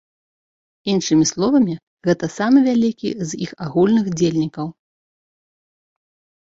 Іншымі словамі, гэта самы вялікі з іх агульных дзельнікаў.